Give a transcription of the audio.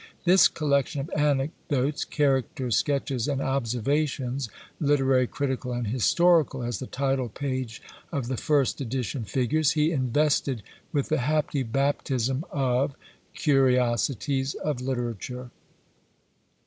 This collection of "Anecdotes, Characters, Sketches, and Observations; Literary, Critical, and Historical," as the title page of the first edition figures, he invested with the happy baptism of "Curiosities of Literature."